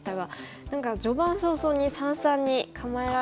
何か序盤早々に三々に構えられたり。